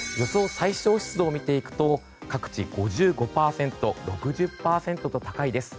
最小湿度を見ていくと各地５５％６０％と高いです。